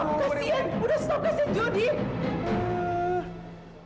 lestap kasian udah lestap kasih jody